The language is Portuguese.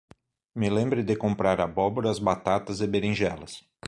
Me lembre de comprar abóboras, batatas e beringelas